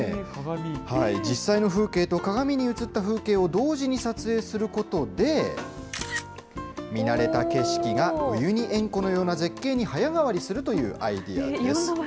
実際の風景と鏡に映った風景を同時に撮影することで、見慣れた景色が、ウユニ塩湖のような絶景に早変わりするというアイデアです。